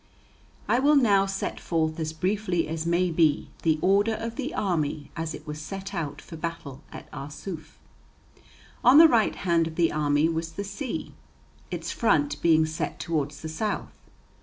I will now set forth as briefly as may be the order of the army as it was set out for battle at Arsuf. On the right hand of the army was the sea, its front being set towards the south.